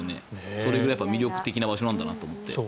それくらい魅力的な場所なんだなと思って。